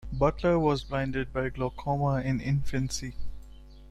Butler was blinded by glaucoma in infancy.